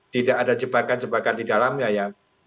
tidak ada jebakan jebakan di dalamnya ya